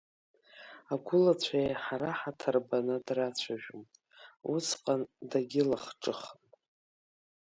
Агәылацәа еиҳа раҳаҭыр баны драцәажәон, усҟан дагьылахҿыхын.